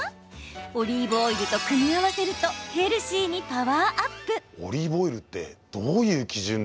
オリーブオイルと組み合わせるとヘルシーにパワーアップ。